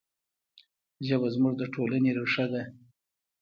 ژبه زموږ د ټولنې ریښه ده.